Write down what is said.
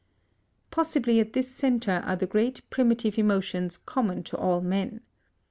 Possibly at this centre are the great primitive emotions common to all men.